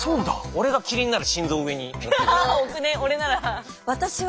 俺がキリンなら心臓上に持ってくる。